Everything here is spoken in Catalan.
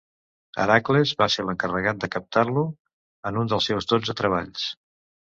Hèracles va ser l'encarregat de capturar-lo en un dels seus dotze treballs.